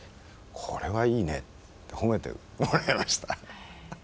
「これはいいね」って褒めてもらいました。